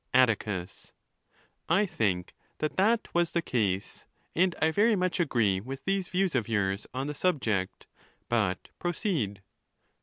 ; XIV. Atticus—I think that that was the case, and I very much agree with these views of yours on the subject,— but proceed.